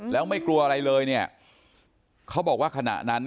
แล้วไม่กลัวอะไรเลยเนี่ยเขาบอกว่าขณะนั้น